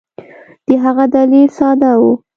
د هغه دلیل ساده وو.